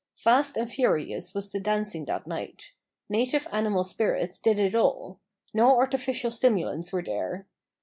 Fast and furious was the dancing that night. Native animal spirits did it all. No artificial stimulants were there.